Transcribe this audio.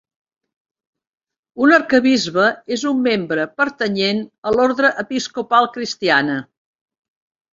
Un arquebisbe és un membre pertanyent a l'orde episcopal cristiana.